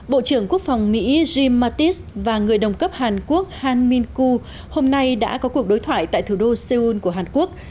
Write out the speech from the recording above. bộ quốc phòng mỹ jim mattis và người đồng cấp hàn quốc han min koo hôm nay đã có cuộc đối thoại tại thủ đô seoul của hàn quốc